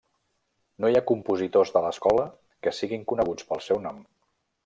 No hi ha compositors de l'escola que siguin coneguts pel seu nom.